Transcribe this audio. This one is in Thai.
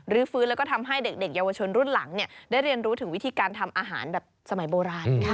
ฟื้นแล้วก็ทำให้เด็กเยาวชนรุ่นหลังได้เรียนรู้ถึงวิธีการทำอาหารแบบสมัยโบราณ